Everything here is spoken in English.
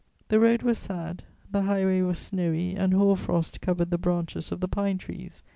The road was sad: the highway was snowy and hoar frost covered the branches of the pine trees.